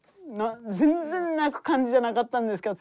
全然泣く感じじゃなかったんですけど。